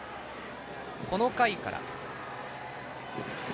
この回から。